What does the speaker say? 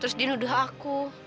terus dia nuduh aku